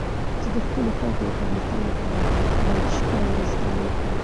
زه د خپلو خلکو د پرمختګ لپاره باید شپه او ورځ کار وکړم.